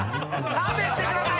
勘弁してください。